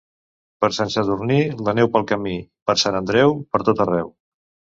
Per Sant Sadurní, la neu pel camí, i per Sant Andreu per tot arreu.